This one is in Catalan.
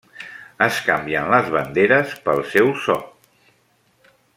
Es canvien les banderes pel seu so.